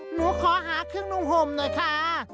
หนูขอหาเครื่องนุ่งห่มหน่อยค่ะ